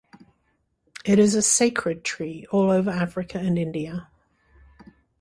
It is a sacred tree all over Africa and India.